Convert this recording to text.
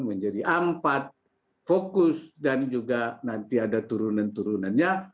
menjadi empat fokus dan juga nanti ada turunan turunannya